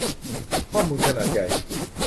ข้อมูลขนาดใหญ่